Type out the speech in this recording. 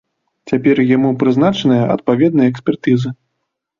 Цяпер яму прызначаныя адпаведныя экспертызы.